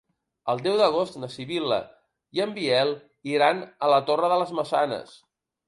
El deu d'agost na Sibil·la i en Biel iran a la Torre de les Maçanes.